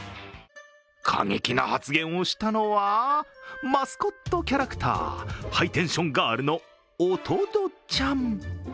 過激な発言をしたのはマスコットキャラクター、ハイテンションガールのおとどちゃん。